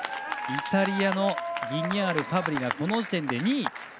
イタリアのギニャール、ファブリがこの時点で２位。